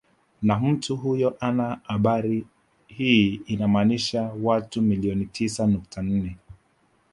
Na mtu huyo hana habari hii inamaanisha watu milioni tisa nukta nne